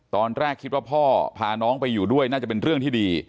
ตอนแรกคิดว่าพ่อพาน้องไปอยู่ด้วยน่าจะเป็นเรื่องที่ดี